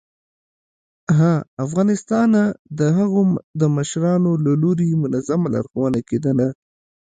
ه افغانستانه د هغو د مشرانو له لوري منظمه لارښوونه کېدله